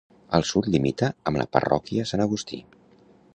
Al sud limita amb la Parròquia San Agustí.